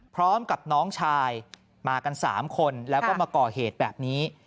พร้อมกับน้องชายมากัน๓คนแล้วก็มาก่อเหตุแบบนี้